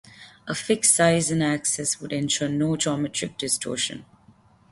A fixed size and axis would ensure no geometric distortion.